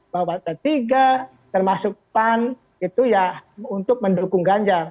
bahwa p tiga termasuk pan itu ya untuk mendukung ganjar